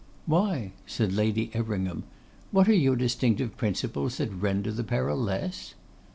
'Why?' said Lady Everingham. 'What are your distinctive principles that render the peril less?